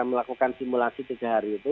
melakukan simulasi tiga hari itu